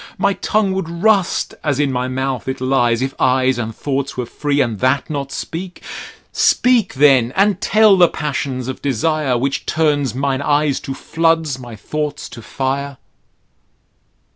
My tongue would rust as in my mouth it lies, If eyes and thoughts were free, and that not speak. Speak then, and tell the passions of desire; Which turns mine eyes to floods, my thoughts to fire.